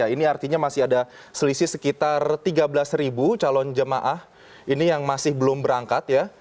ini artinya masih ada selisih sekitar tiga belas calon jemaah ini yang masih belum berangkat ya